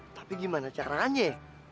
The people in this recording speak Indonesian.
tapi gimana caranya